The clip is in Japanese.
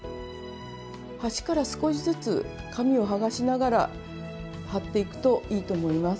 端から少しずつ紙を剥がしながら貼っていくといいと思います。